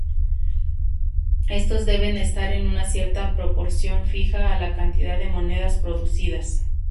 Estos deben estar en una cierta proporción fija a la cantidad de monedas producidas.